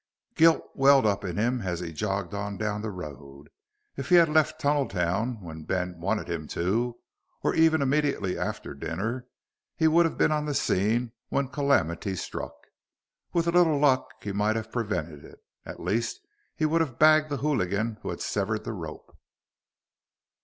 Guilt welled up in him as he jogged on down the road. If he had left Tunneltown when Ben wanted him to or even immediately after dinner he would have been on the scene when calamity struck. With a little luck, he might have prevented it. At least, he would have bagged the hooligan who severed the rope.